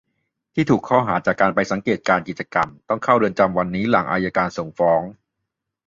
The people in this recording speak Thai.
ที่ถูกข้อหาจากการไปสังเกตการณ์กิจกรรม ตัองเข้าเรือนจำวันนี้หลังอัยการส่งฟ้อง